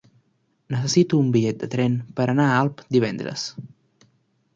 Necessito un bitllet de tren per anar a Alp divendres.